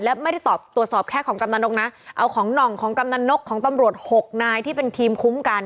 และไม่ได้ตอบตรวจสอบแค่ของกำนันนกนะเอาของหน่องของกำนันนกของตำรวจหกนายที่เป็นทีมคุ้มกัน